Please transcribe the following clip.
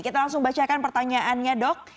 kita langsung bacakan pertanyaannya dok